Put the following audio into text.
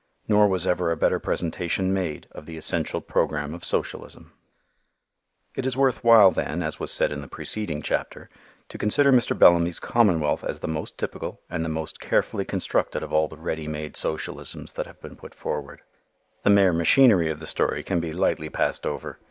Nor was ever a better presentation made of the essential program of socialism. It is worth while then, as was said in the preceding chapter, to consider Mr. Bellamy's commonwealth as the most typical and the most carefully constructed of all the ready made socialisms that have been put forward. The mere machinery of the story can be lightly passed over.